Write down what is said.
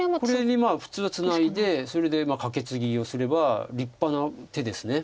これに普通はツナいでそれでカケツギをすれば立派な手です。